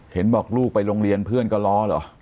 เห็นบอกลูกไปโรงเรียนเพื่อนก็ล้อเหรอ